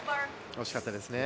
惜しかったですね。